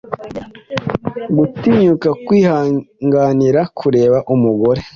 Gutinyuka kwihanganira kureba umugore